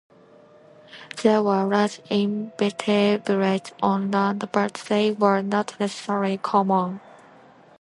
There were large invertebrates on land but they were not necessarily common.